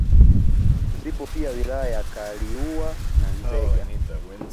Zipo pia wilaya za Kaliua na Nzega